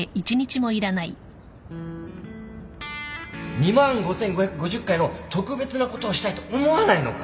２万 ５，５５０ 回の特別なことをしたいと思わないのか？